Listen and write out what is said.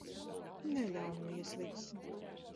Neļaunojies vis.